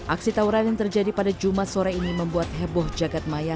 aksi tawuran yang terjadi pada jumat sore ini membuat heboh jagad maya